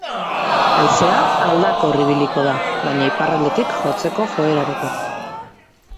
Haizea aldakor ibiliko da, baina iparraldetik jotzeko joerarekin.